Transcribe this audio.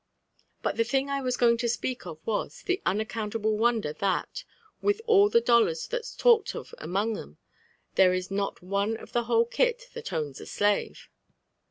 But the thing I was going to speak of was,, the unaeeevmlable wonder that» with all the dollars that*s talked of among 'em, there ia not one of the whole kit what owem a slave